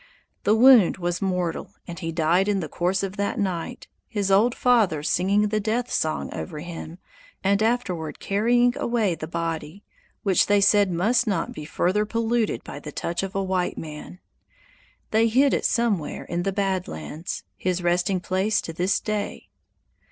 The wound was mortal, and he died in the course of that night, his old father singing the death song over him and afterward carrying away the body, which they said must not be further polluted by the touch of a white man. They hid it somewhere in the Bad Lands, his resting place to this day.